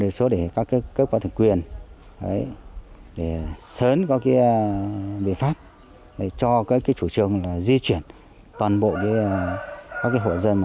thứ nhất là một địa số để các cơ quan thường quyền để sớn có cái biện pháp cho các chủ trường di chuyển toàn bộ các hộ dân